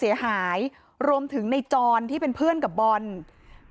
มีชายแปลกหน้า๓คนผ่านมาทำทีเป็นช่วยค่างทาง